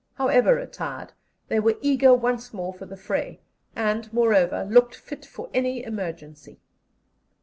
However attired, they were eager once more for the fray, and, moreover, looked fit for any emergency.